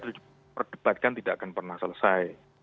diperdebatkan tidak akan pernah selesai